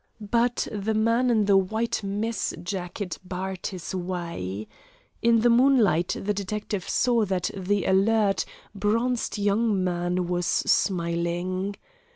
But the man in the white mess jacket barred his way. In the moonlight the detective saw that the alert, bronzed young man was smiling.